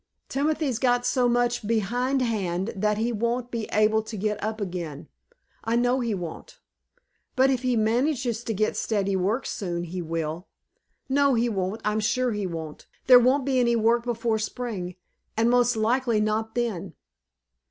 "Timothy's got so much behindhand that he won't be able to get up again; I know he won't." "But if he manages to get steady work soon, he will." "No, he won't. I'm sure he won't. There won't be any work before spring, and most likely not then."